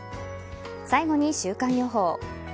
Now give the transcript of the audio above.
最後に週間予報。